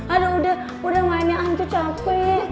aduh udah udah mainnya ancu capek